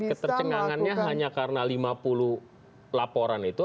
ketercengangannya hanya karena lima puluh laporan itu